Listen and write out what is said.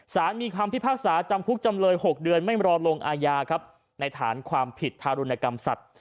สารมีคำพิพากษาจำคุกจำเลย๖เดือนไม่รอลงอาญาครับในฐานความผิดทารุณกรรมสัตว